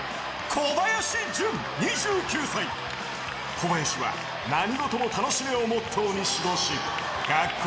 ［小林は「何事も楽しめ」をモットーに指導し学校